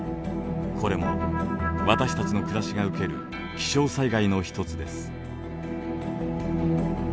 これも私たちの暮らしが受ける気象災害の一つです。